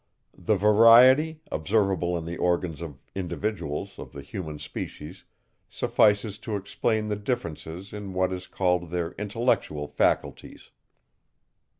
The variety, observable in the organs of individuals of the human species suffices to explain the differences in what is called their intellectual faculties.